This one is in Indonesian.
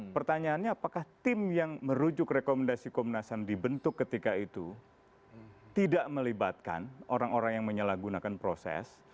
pertanyaannya apakah tim yang merujuk rekomendasi komnas ham dibentuk ketika itu tidak melibatkan orang orang yang menyalahgunakan proses